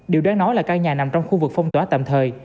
điều đáng nói là căn nhà nằm trong khu vực phong tỏa tạm thời